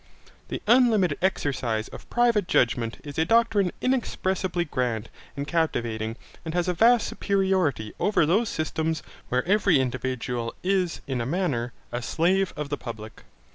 The unlimited exercise of private judgement is a doctrine inexpressibly grand and captivating and has a vast superiority over those systems where every individual is in a manner the slave of the public.